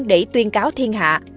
để tuyên cáo thiên hạ